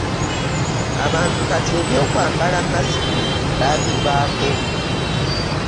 Abantu kati eby'okwambala masiki baabivaako.